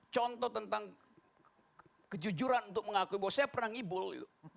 contoh tentang kejujuran untuk mengakui bahwa saya pernah ngibul gitu